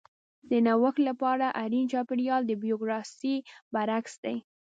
د نوښت لپاره اړین چاپېریال د بیوروکراسي برعکس دی.